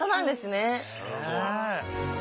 すごい。